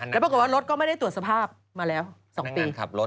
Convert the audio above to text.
แล้วปรากฏว่ารถก็ไม่ได้ตรวจสภาพมาแล้ว๒ปี